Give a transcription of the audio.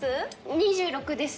２６です